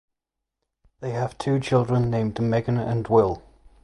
They have two children named Megan and Will.